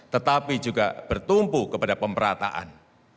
tetapi juga bertumpu kepada pemerataan